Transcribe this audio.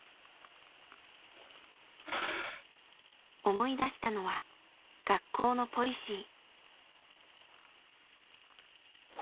思い出したのは学校のポリシー。